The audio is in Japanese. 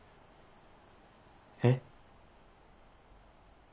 えっ？